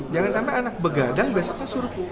jangan sampai anak begadang besoknya suruh